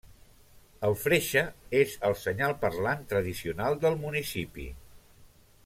El freixe és el senyal parlant tradicional del municipi.